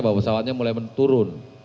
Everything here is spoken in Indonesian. bahwa pesawatnya mulai menurun